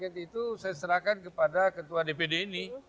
kalau target itu saya serahkan kepada ketua dpd ini